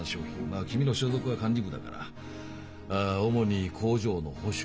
まあ君の所属は管理部だから主に工場の保守。